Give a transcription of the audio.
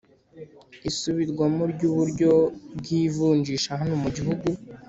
isubirwamo ry uburyo bw ivunjisha hano mugihugu